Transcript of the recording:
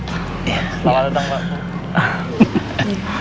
selamat datang pak